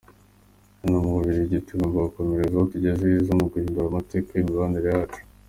Hano mu Bubirigi tugomba gukomereza aho tugeze heza mu guhindura amateka y’ imibanire yacu.